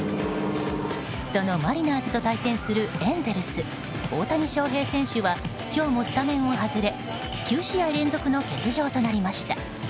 そのマリナーズと対戦するエンゼルス大谷翔平選手は今日もスタメンを外れ９試合連続の欠場となりました。